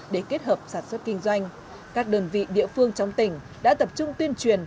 để kết hợp sản xuất kinh doanh các đơn vị địa phương trong tỉnh đã tập trung tuyên truyền